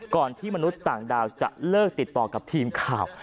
ที่มนุษย์ต่างดาวจะเลิกติดต่อกับทีมข่าว